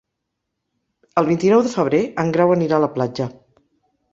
El vint-i-nou de febrer en Grau anirà a la platja.